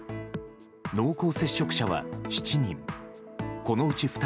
濃厚接触者は７人。